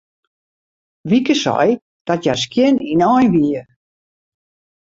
Wieke sei dat hja skjin ynein wie.